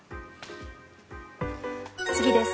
次です。